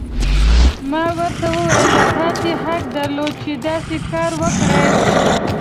ما ورته وویل: تاسي حق درلود، چې داسې کار وکړي.